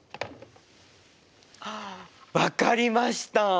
あ分かりました。